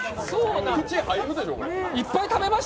口入るでしょ、これ。